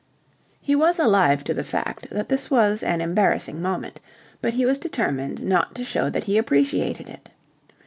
He was alive to the fact that this was an embarrassing moment, but he was determined not to show that he appreciated it.